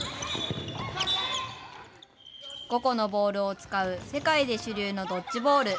５個のボールを使う、世界で主流のドッジボール。